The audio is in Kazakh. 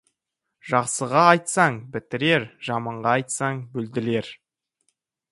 Жақсыға айтсаң, бітірер, жаманға айтсаң, бүлдірер.